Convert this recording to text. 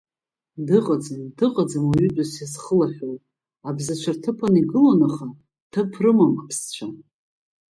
Дыҟаӡам, дыҟаӡам уаҩытәыҩса зхылаҳәоу, абзацәа рҭыԥан игылон, аха, ҭыԥ рымам аԥсцәа…